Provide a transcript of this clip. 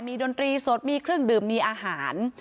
ดนตรีสดมีเครื่องดื่มมีอาหาร